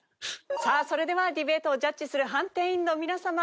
さあそれではディベートをジャッジする判定員の皆様